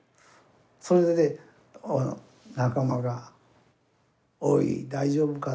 それで仲間が「おい大丈夫か？